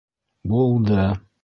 Булды.